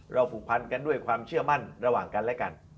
ผูกพันกันด้วยความเชื่อมั่นระหว่างกันและกัน